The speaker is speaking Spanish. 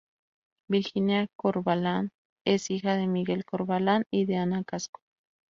Virgina Corvalán es hija de Miguel Corvalán y de Ana Casco.